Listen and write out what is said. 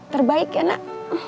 terbaik ya nak